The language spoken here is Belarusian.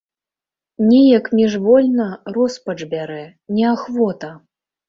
Неяк міжвольна роспач бярэ, неахвота.